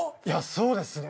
そうですね。